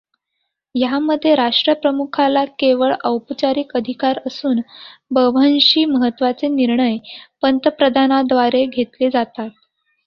ह्यामध्ये राष्ट्रप्रमुखाला केवळ औपचारिक अधिकार असून बव्ह्ंशी महत्त्वाचे निर्णय पंतप्रधानाद्वारे घेतले जातात.